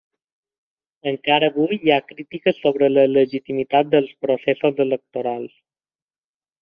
Encara avui hi ha crítiques sobre la legitimitat dels processos electorals.